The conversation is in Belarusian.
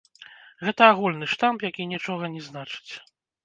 Гэта агульны штамп, які нічога не значыць.